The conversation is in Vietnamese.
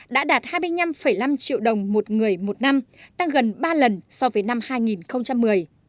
đã đạt hai mươi năm năm triệu đồng một người một năm tăng gần ba lần so với năm hai nghìn một mươi